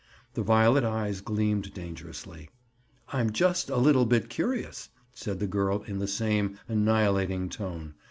The violet eyes gleamed dangerously. "I'm just a little bit curious," said the girl in the same annihilating tone.